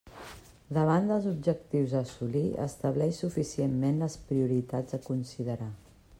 Davant dels objectius a assolir, estableix suficientment les prioritats a considerar.